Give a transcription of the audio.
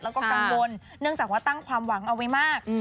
แล้วก็กังวลเนื่องจากว่าตั้งความหวังเอาไว้มาก